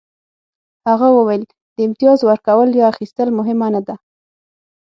هغه وویل د امتیاز ورکول یا اخیستل مهمه نه ده